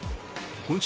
今週